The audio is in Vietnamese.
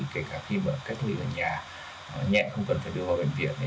kể cả khi mà cách ly ở nhà nhẹ không cần phải đưa vào bệnh viện